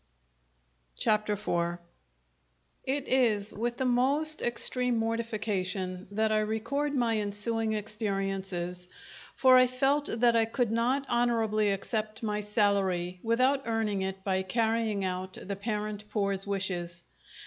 Chapter Four It is with the most extreme mortification that I record my ensuing experiences, for I felt that I could not honourably accept my salary without earning it by carrying out the parent Poor's wishes.